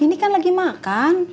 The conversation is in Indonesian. ini kan lagi makan